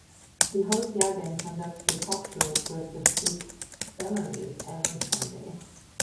The host Jagan conducts the talk show with the weeks summary every Sunday.